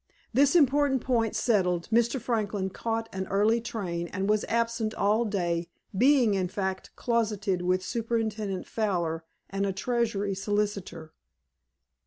This important point settled, Mr. Franklin caught an early train, and was absent all day, being, in fact, closeted with Superintendent Fowler and a Treasury solicitor.